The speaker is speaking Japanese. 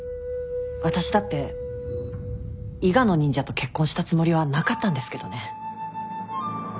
私だって伊賀の忍者と結婚したつもりはなかったんですけどね。